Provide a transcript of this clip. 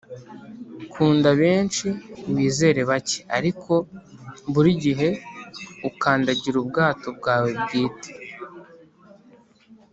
kunda benshi, wizere bake, ariko burigihe ukandagira ubwato bwawe bwite